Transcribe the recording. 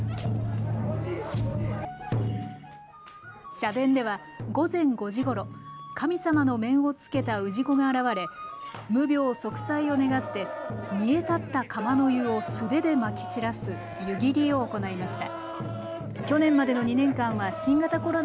社殿では午前５時ごろ神様の面を着けた氏子が現れ無病息災を願って煮え立った釜の湯を素手でまき散らす湯切りを行いました。